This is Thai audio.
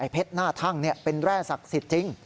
เพชรหน้าทั่งเป็นแร่ศักดิ์สิทธิ์จริง